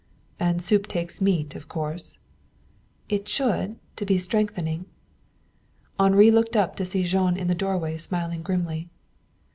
"And soup takes meat, of course." "It should, to be strengthening." Henri looked up, to see Jean in the doorway smiling grimly.